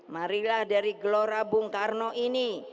marilah dari gelora bung karno ini